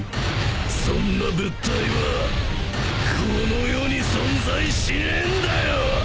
そんな物体はこの世に存在しねえんだよ！